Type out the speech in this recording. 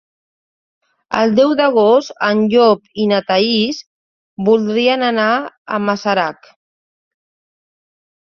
El deu d'agost en Llop i na Thaís voldrien anar a Masarac.